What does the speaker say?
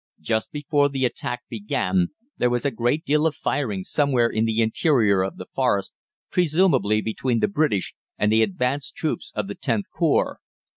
Just before the attack began there was a great deal of firing somewhere in the interior of the Forest, presumably between the British and the advanced troops of the Xth Corps.